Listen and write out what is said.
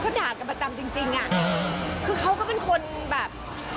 เขาด่ากันประจำจริงคือเขาก็เป็นคนแบบ